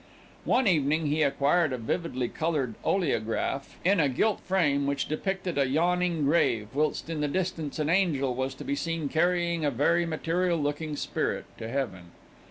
One evening he acquired a vividly coloured oleograph in a gilt frame, which depicted a yawning grave, whilst in the distance an angel was to be seen carrying a very material looking spirit to heaven.